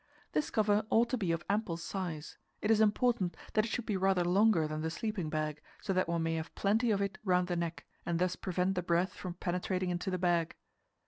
This cover ought to be of ample size; it is important that it should be rather longer than the sleeping bag, so that one may have plenty of it round the neck, and thus prevent the breath from penetrating into the bag.